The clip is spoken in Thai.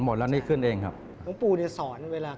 ต่อต่อแล้วหนึ่งจะสาว